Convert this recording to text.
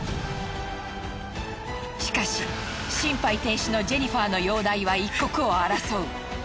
しかし心肺停止のジェニファーの容体は一刻を争う。